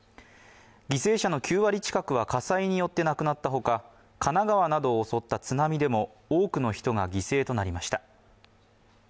犠牲者の９割近くは火災によって亡くなったほか、神奈川などを襲った津波でも多くの人が犠牲となりました。